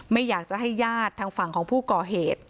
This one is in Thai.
ไม่อยากจะให้ญาติทางฝั่งของผู้ก่อเหตุ